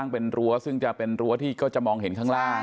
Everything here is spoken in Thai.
เป็นรั้วซึ่งจะเป็นรั้วที่ก็จะมองเห็นข้างล่าง